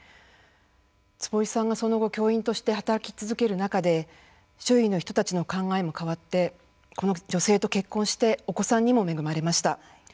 坪井さんがその後教員として働き続ける中で周囲の人たちの考えも変わってこの女性と結婚してお子さんにも恵まれました。